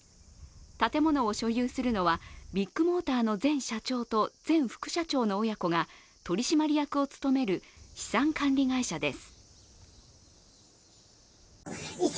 建物を所有するのはビッグモーターの前社長と前副社長の親子が取締役を務める資産管理会社です。